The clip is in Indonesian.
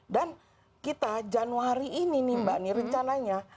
dan kita januari ini nih mbak nih rencananya